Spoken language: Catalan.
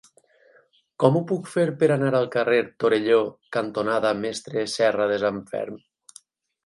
Com ho puc fer per anar al carrer Torelló cantonada Mestre Serradesanferm?